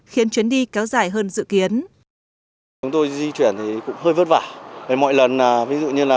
khiến chuyến đi kéo dài hơn dự kiến